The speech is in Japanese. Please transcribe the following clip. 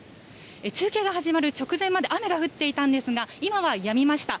中継が始まる直前まで雨が降っていたんですが、今はやみました。